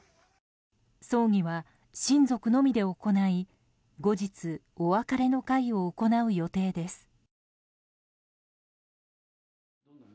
葬儀は親族のみで行い後日お別れの会を行う予定です。